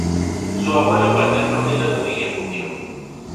Su abuelo paterno era de origen judío.